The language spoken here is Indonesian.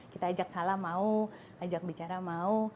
kita ajak salah mau ajak bicara mau